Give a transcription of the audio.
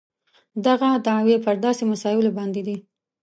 دغه دعوې پر داسې مسایلو باندې دي.